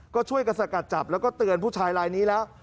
ก็ช่วยกันสกัดจับแล้วก็เตือนผู้ชายลายนี้แล้ว